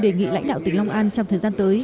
đề nghị lãnh đạo tỉnh long an trong thời gian tới